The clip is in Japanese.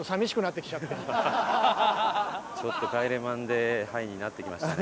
ちょっと帰れマンデーハイになってきましたね。